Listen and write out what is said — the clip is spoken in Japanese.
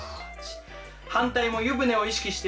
反対も湯船を意識して。